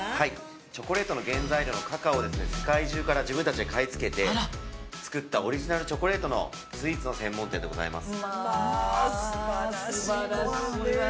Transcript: ◆チョコレートの原材料のカカオを世界中から自分たちで買い付けて、作ったオリジナルチョコレートのスイーツの専門店でございます。